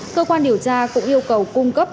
cơ quan điều tra cũng yêu cầu cung cấp